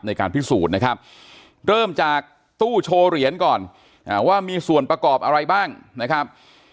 ในการพิสูจน์นะครับเริ่มจากตู้โชว์เหรียญก่อนว่ามีส่วนประกอบอะไรบ้างนะครับ